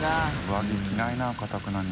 上着着ないなかたくなに。